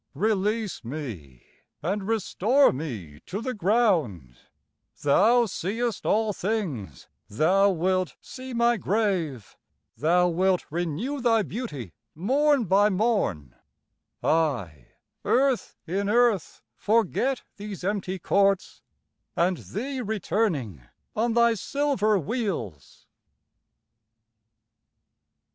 Release me, and restore me to the ground; Thou seest all things, thou wilt see my grave: Thou wilt renew thy beauty morn by morn; I earth in earth forget these empty courts, And thee returning on thy silver wheels.